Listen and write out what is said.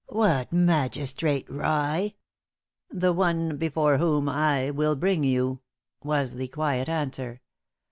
"What magistrate, rye?" "The one before whom I will bring you," was a the quiet answer.